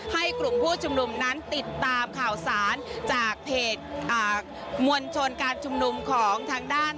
ให้กลุ่มผู้ชุมนุมนั้นติดตามข่าวสารจากเพจมวลชนการชุมนุมของทางด้าน